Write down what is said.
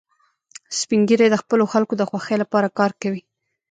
سپین ږیری د خپلو خلکو د خوښۍ لپاره کار کوي